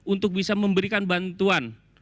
untuk bisa memberikan bantuan